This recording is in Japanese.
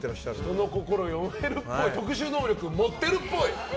人の心読めるっぽい特殊能力持ってるっぽい。